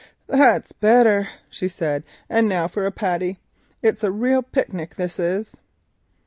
"That's better," she said, "and now for a patty. It's a real picnic, this is."